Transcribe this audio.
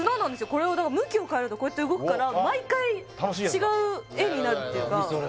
これを向きを変えるとこうやって動くから毎回違う絵になるっていうか楽しいやつだ